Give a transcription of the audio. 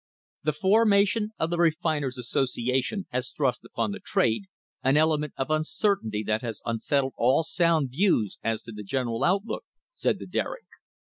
"The formation of the Refiners' Association has thrust upon the trade an element of uncer tainty that has unsettled all sound views as to the general out look," said the Derrick.